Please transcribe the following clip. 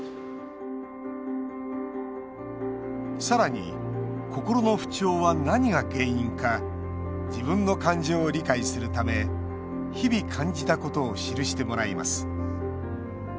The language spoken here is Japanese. さらに、心の不調は何が原因か自分の感情を理解するため日々感じたことを記してもらいます。